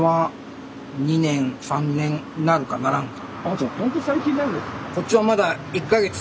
じゃあほんと最近なんですね。